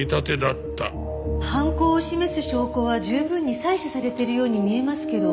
犯行を示す証拠は十分に採取されているように見えますけど。